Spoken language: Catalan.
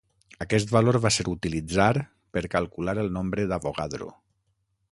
Aquest valor va ser utilitzar per calcular el nombre d'Avogadro.